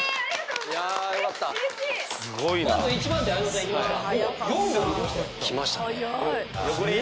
まず一番手綾野さんいきました